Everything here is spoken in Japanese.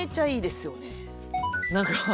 何か。